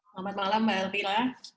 selamat malam mbak elvira